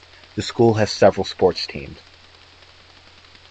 The school has several sports team.